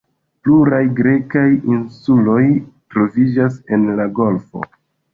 Pluraj grekaj insuloj troviĝas en la golfo.